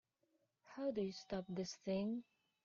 How do you stop this thing?